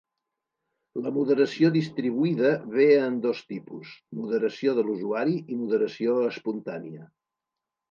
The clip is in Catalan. La moderació distribuïda ve en dos tipus: moderació de l'usuari i moderació espontània.